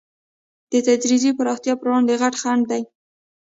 د تدریجي پراختیا پر وړاندې غټ خنډ دی.